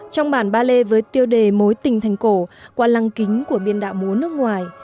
trong bản ba lê với tiêu đề mối tình thành cổ qua lăng kính của biên đạo múa nước ngoài